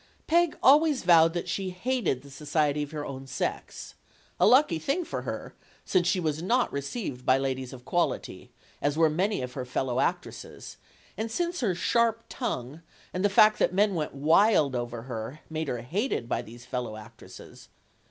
Peg always vowed she hated the society of her own sex; a lucky thing for her, since she was not received by ladies of quality, as were many of her fellow actresses, and since her sharp tongue and the fact that men went wild over her made her hated by these fellow actresses.